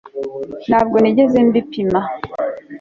ntabwo nigeze mbipima